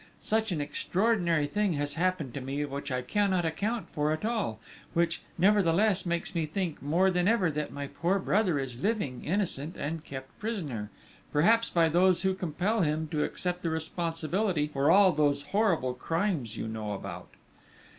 _ _Such an extraordinary thing has happened to me which I cannot account for at all, which, nevertheless, makes me think, more than ever, that my poor brother is living, innocent, and kept prisoner, perhaps by those who compel him to accept the responsibility for all those horrible crimes you know about.